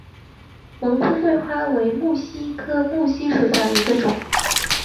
蒙自桂花为木犀科木犀属下的一个种。